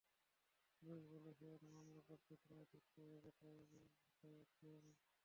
Police বলছে এর মামলা করতে তোমায় থাকতে হবে, তাই আসছি আমি।